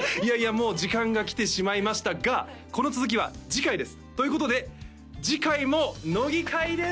もう時間が来てしまいましたがこの続きは次回ですということで次回も乃木回です！